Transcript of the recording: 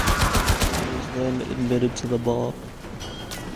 He was then admitted to the bar.